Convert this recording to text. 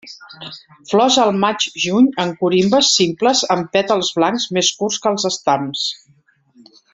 Flors al maig-juny en corimbes simples amb pètals blancs més curts que els estams.